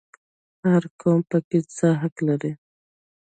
هر قوم پکې څه حق لري؟